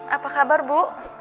apa kabar bu